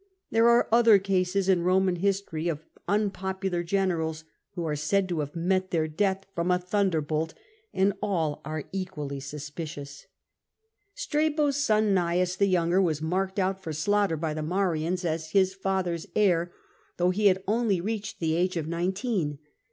'^ There are other cases in Eoman history of unpopular generals who are said to have met their death from a thunderbolt, and all are equally suspicious. Strabo's son, Gnaeus the younger, was marked out for slaughter by the Marians as his father's heir, though he had only reached the age of nineteen.